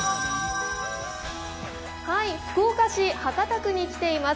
福岡市博多区に来ています。